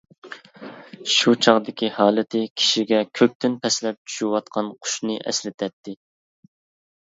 شۇ چاغدىكى ھالىتى كىشىگە كۆكتىن پەسلەپ چۈشۈۋاتقان قۇشنى ئەسلىتەتتى.